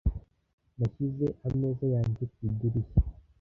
Nashyize ameza yanjye ku idirishya.